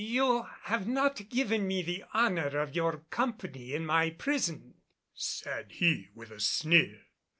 "You have not given me the honor of your company in my prison," said he, with a sneer.